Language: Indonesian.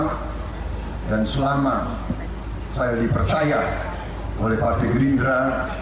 selama dan selama saya dipercaya oleh partai gerindra